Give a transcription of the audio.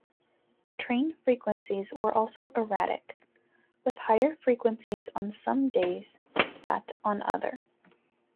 Train frequencies were also erratic, with higher frequencies on some days that on other.